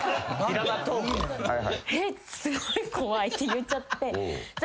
すごい怖いって言っちゃって。